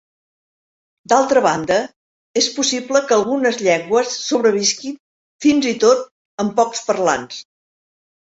D'altra banda, és possible que algunes llengües sobrevisquin fins i tot amb pocs parlants.